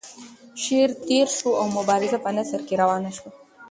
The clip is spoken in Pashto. شعر تیر شو او مبارزه په نثر کې روانه شوه.